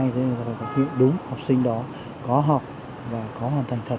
thì người ta phải có thể hiểu đúng học sinh đó có học và có hoàn thành thật